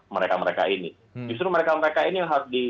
mereka mereka ini justru mereka mereka ini yang harus di